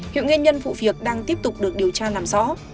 hiện nguyên nhân vụ việc đang tiếp tục được điều tra làm rõ